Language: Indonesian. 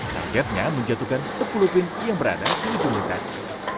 targetnya menjatuhkan sepuluh pin yang berada di jemitasi